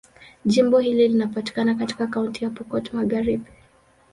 Jimbo hili linapatikana katika Kaunti ya Pokot Magharibi.